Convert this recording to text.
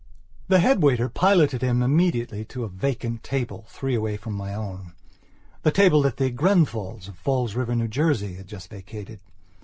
The head waiter piloted him immediately to a vacant table, three away from my ownthe table that the Grenfalls of Falls River, N.J., had just vacated.